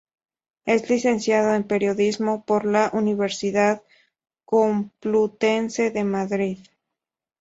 Es licenciado en Periodismo por la Universidad Complutense de Madrid.